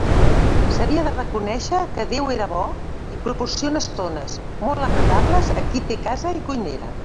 S'havia de reconèixer que Déu era bo i proporciona estones molt agradables a qui té casa i cuinera.